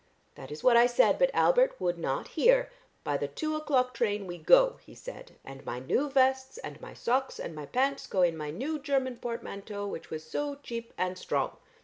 That is what I said, but Albert would not hear. 'By the two o'clock train we go,' he said, 'and my new vests and my socks and my pants go in my new Cherman portmanteau which was so cheap and strong.'